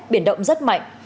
biển động rất mạnh